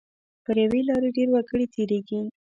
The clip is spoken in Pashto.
پر یوې لارې ډېر وګړي تېریږي.